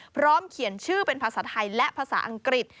พร้อมเขียนชื่อเป็นภาษาไทยและภาษาอังกฤษ